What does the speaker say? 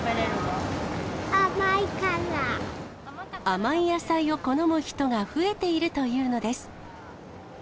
甘い野菜を好む人が増えているというのです。